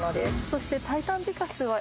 そして。